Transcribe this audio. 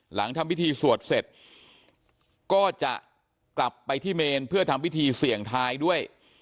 หลังทำพิธีสวดเสร็จก็จะกลับไปที่เมนเพื่อทำพิธีเสี่ยงทายด้วย